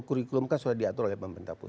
kurikulum kan sudah diatur oleh pemerintah pusat